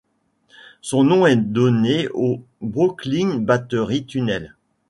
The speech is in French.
Son nom a été donné au Brooklyn Battery Tunnel.